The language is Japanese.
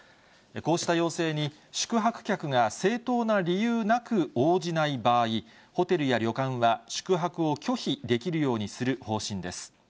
こうした要請に宿泊客が正当な理由なく応じない場合、ホテルや旅館は宿泊を拒否できるようにする方針です。